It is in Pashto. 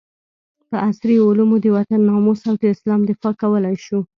په عصري علومو د وطن ناموس او د اسلام دفاع کولي شو